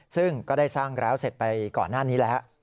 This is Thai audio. ซึ่งก็ได้สร้างแล้วเสร็จไปก่อนหน้านี้แล้ว